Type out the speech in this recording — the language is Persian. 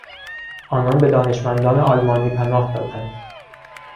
آنان به دانشمندان آلمانی پناه دادند.